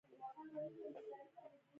د پملا د خپرونو ساحه ډیره پراخه ده.